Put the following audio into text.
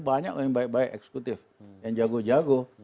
banyak yang baik baik eksekutif yang jago jago